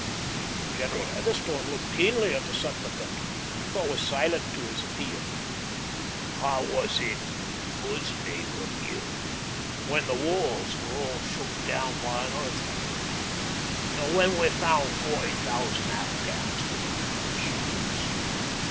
General Heatherstone looked keenly at the supplicant, but was silent to his appeal. "I was in Ghuznee with you when the walls were all shook down by an earthquake, and when we found forty thousand Afghans within gunshot of us.